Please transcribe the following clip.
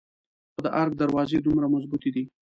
خو د ارګ دروازې دومره مظبوتې دي.